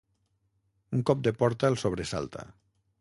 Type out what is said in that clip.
Un cop de porta el sobresalta.